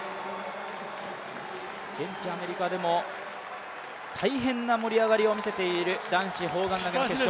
現地アメリカでも大変な盛り上がりを見せている男子砲丸投決勝。